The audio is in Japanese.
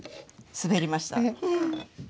滑りました。